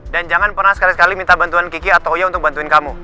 dan jangan pernah sekali kali minta bantuan kiki atau oya untuk bantuin kamu